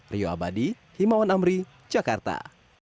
rio abadi himawan amri jakarta